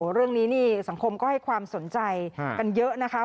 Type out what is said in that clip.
เรื่องนี้นี่สังคมก็ให้ความสนใจกันเยอะนะคะ